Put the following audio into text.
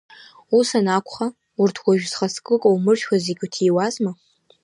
Ус анакәха, урҭ уажәы зхаҵкы каумыршәуа зегьы уҭиуазма?